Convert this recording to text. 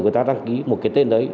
người ta đăng ký một cái tên đấy